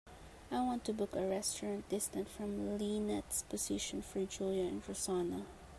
I want to book a restaurant distant from lynette's position for julia and rosanna.